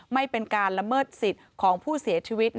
ไม่เป็นการละเมิดสิทธิ์ของผู้เสียชีวิต